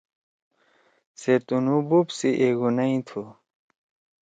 سے تُنُو بوپ سی ایگُونئی تُھو۔